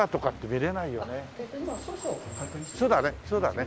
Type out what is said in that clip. そうだねそうだね。